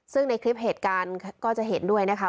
ซึ่งในคลิปเหตุการณ์ก็จะเห็นด้วยนะคะ